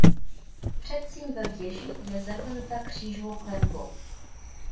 Předsíň ve věži je zaklenutá křížovou klenbou.